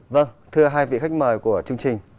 vâng thưa hai vị khách mời của chương trình